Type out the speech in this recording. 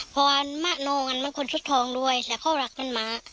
พอมะโนมันคนชุดทองด้วยแล้วเขารักมันมา